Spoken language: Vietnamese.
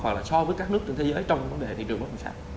hoặc là so với các nước trên thế giới trong vấn đề thị trường bất động sản